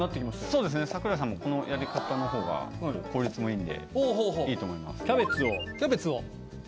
そうですね櫻井さんもこのやり方のほうが効率もいいんでいいと思います。